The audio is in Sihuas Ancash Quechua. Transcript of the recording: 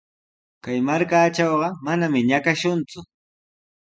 Kay markaatrawqa manami ñakashunku.